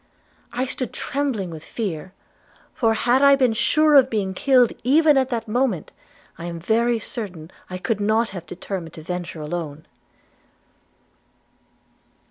I stood trembling with fear; for had I been sure of being killed even at that moment, I am very certain I could not have determined to venture alone."